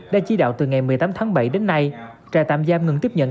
đã chỉ đạo từ ngày một mươi tám tháng bảy đến nay trại tạm giam ngừng tiếp nhận